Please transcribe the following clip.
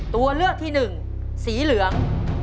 ตัวเลือกที่หนึ่งสีเหลือง